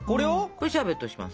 これシャーベットにします。